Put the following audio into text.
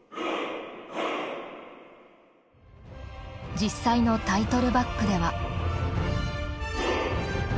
実際のタイトルバックでは。